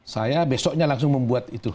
saya besoknya langsung membuat itu